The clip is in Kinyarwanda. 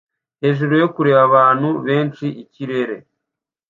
Hejuru yo kureba abantu benshi ikirere